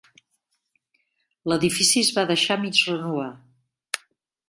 L'edifici es va deixar a mig renovar.